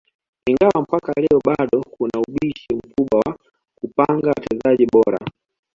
Ingawa mpaka leo bado kuna ubishi mkubwa wa kupanga wachezaji bora